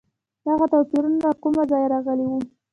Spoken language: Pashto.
دغه توپیرونه له کوم ځایه راغلي وو؟